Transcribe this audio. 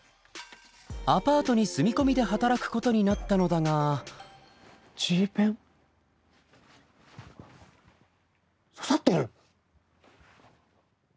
アパートに住み込みで働くことになったのだがＧペン？刺さってる？